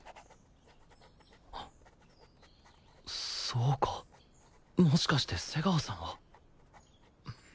そうかもしかして瀬川さんは